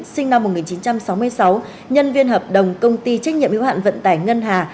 sinh năm một nghìn chín trăm sáu mươi sáu nhân viên hợp đồng công ty trách nhiệm hữu hạn vận tải ngân hà